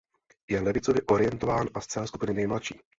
Je levicově orientován a z celé skupiny nejmladší.